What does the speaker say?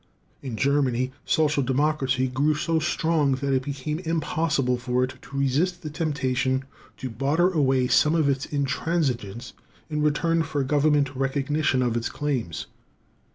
In Germany, social democracy grew so strong that it became impossible for it to resist the temptation to barter away some of its intransigeance in return for government recognition of its claims.